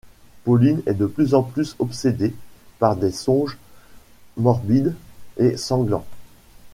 Pauline est de plus en plus obsédée par des songes morbides et sanglants...